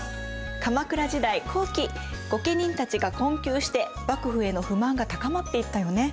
鎌倉時代後期御家人たちが困窮して幕府への不満が高まっていったよね。